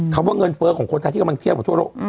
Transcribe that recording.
ว่าเงินเฟ้อของคนไทยที่กำลังเทียบกับทั่วโลก